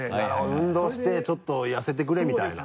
運動してちょっと痩せてくれみたいな。